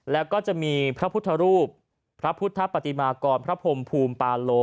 แล้วก็จะมีพระพุทธรูปพระพุทธปฏิมากรพระพรมภูมิปาโล